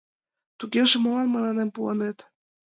— Тугеже молан мыланем пуынет?